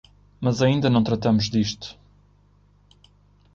Mas ainda não tratamos disto.